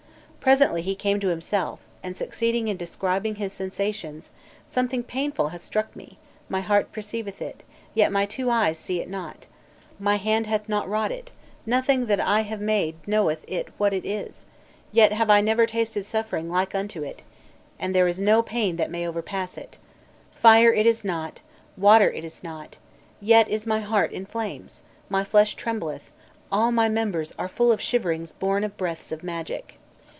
Presently he came to himself, and succeeded in describing his sensations. "Something painful hath stung me; my heart perceiveth it, yet my two eyes see it not; my hand hath not wrought it, nothing that I have made knoweth it what it is, yet have I never tasted suffering like unto it, and there is no pain that may overpass it.... Fire it is not, water it is not, yet is my heart in flames, my flesh trembleth, all my members are full of shiverings born of breaths of magic.